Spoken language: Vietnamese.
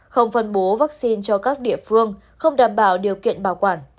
không phân bố vaccine cho các địa phương không đảm bảo điều kiện bảo quản